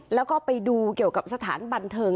แล้วก็ไปดูเกี่ยวกับสถานบันเทิง